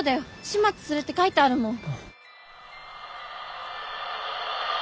「始末する」って書いてあるもん。